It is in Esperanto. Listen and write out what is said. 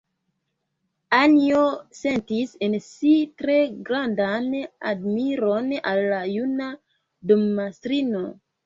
Anjo sentis en si tre grandan admiron al la juna dommastrino.